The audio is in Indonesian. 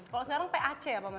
kalau sekarang pac apa mas